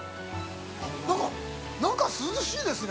なんか、中涼しいですね。